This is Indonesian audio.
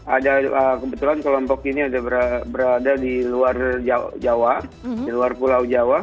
ada kebetulan kelompok ini berada di luar jawa di luar pulau jawa